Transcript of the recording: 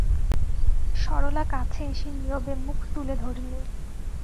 সরলা কাছে এসে নীরবে মুখ তুলে ধরলে।